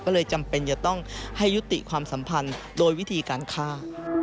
ก็เลยจำเป็นจะต้องให้ยุติความสัมพันธ์โดยวิธีการฆ่า